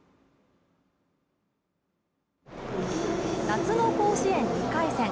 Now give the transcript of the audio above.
夏の甲子園２回戦。